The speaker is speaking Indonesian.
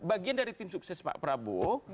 bagian dari tim sukses pak prabowo